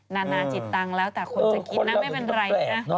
นานาจิตตังค์แล้วแต่คนจะคิดนะไม่เป็นไรนะ